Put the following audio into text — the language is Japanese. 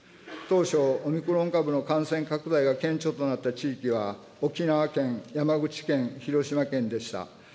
当初、オミクロン株の感染拡大が顕著となった地域は、沖縄県、山口県、広島県でした。